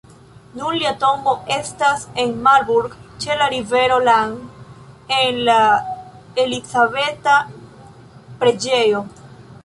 Nun lia tombo estas en Marburg ĉe la rivero Lahn en la Elizabeta preĝejo.